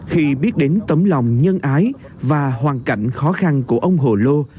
khi biết đến tấm lòng nhân ái và hoàn cảnh khó khăn của ông hồ lô